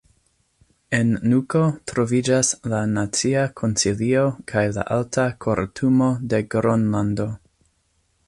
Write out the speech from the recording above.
En Nuko troviĝas la Nacia Konsilio kaj la Alta Kortumo de Gronlando.